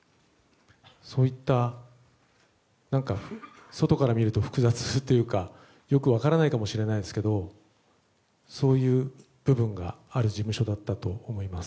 そういった外から見ると複雑というかよく分からないかもしれないですけどそういう部分がある事務所だったと思います。